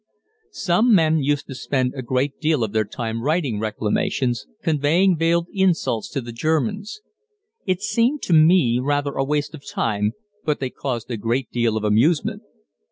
Some men used to spend a great deal of their time writing Reclamations conveying veiled insults to the Germans. It seemed to me rather a waste of time, but they caused a great deal of amusement.